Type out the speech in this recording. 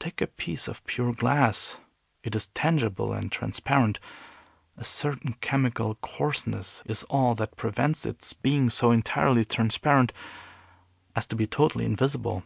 Take a piece of pure glass. It is tangible and transparent. A certain chemical coarseness is all that prevents its being so entirely transparent as to be totally invisible.